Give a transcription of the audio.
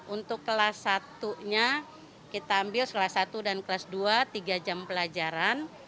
untuk kelas satu nya kita ambil kelas satu dan kelas dua tiga jam pelajaran